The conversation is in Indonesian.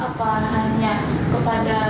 apa hanya kepada